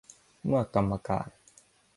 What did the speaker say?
เมื่อกรรมการ